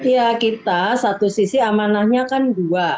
ya kita satu sisi amanahnya kan dua